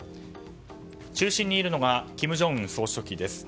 中心にいるのが金正恩総書記です。